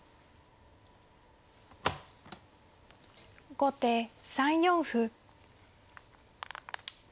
後手３四歩。